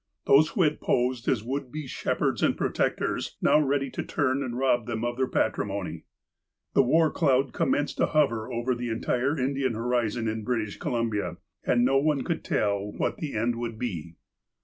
Those who had posed as would be shepherds and protectors, now ready to turn and rob them of their patrimony ! The war cloud commenced to hover over the entire Indian horizon in British Columbia, and no one could tell what the end would be.